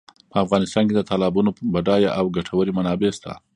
په افغانستان کې د تالابونو بډایه او ګټورې منابع شته.